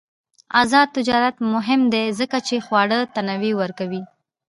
آزاد تجارت مهم دی ځکه چې خواړه تنوع ورکوي.